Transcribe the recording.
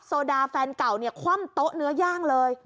โซดาแฟนเก่าเนี่ยคว่ำโต๊ะเนื้อย่างเลย